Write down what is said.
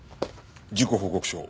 「事故報告書」？